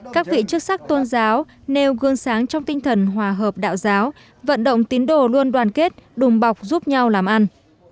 các vị chức sắc tôn giáo nêu gương sáng trong tinh thần hòa hợp đạo giáo vận động tín đồ luôn đoàn kết đùm bọc giúp nhau làm ăn